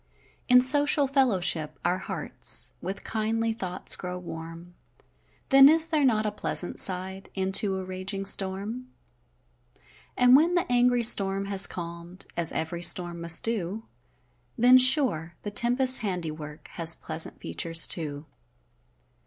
In social fellowship, our hearts With kindly thoughts grow warm; Then is there not a pleasant side, E'en to a raging storm? And when the angry storm has calm'd, As ev'ry storm must do, Then, sure, the tempest's handiwork, Has pleasant features, too.